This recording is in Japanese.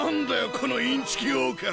このインチキ王冠は！